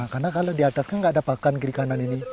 karena kalau di atas kan tidak ada pakan kiri kanan ini